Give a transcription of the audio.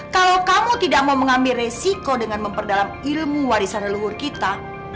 kalau kamu tidak mau mengambil resiko dengan memperdalam ilmu warisan leluhur kita